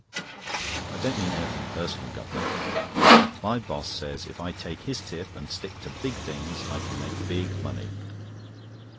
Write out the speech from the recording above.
I don't mean anything personal, Guv'nor. My boss says if I take his tip, and stick to big things, I can make big money!"